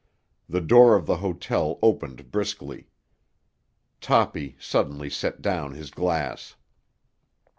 The door of the hotel opened briskly. Toppy suddenly set down his glass.